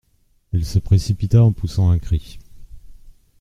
Elle se précipita en poussant un cri.